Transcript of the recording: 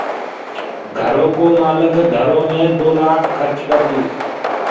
گھرو ڪو مآلڪ گھرو مي دو لآک کرچ ڪرديس